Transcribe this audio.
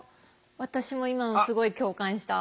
私も今のすごい共感した。